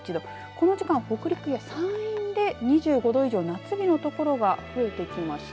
この時間、北陸や山陰で２５度以上の夏日の所が増えてきました。